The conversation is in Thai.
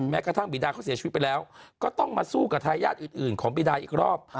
กระทั่งบีดาเขาเสียชีวิตไปแล้วก็ต้องมาสู้กับทายาทอื่นของบีดาอีกรอบ